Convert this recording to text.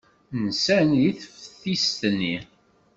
Nsan deg teftist-nni.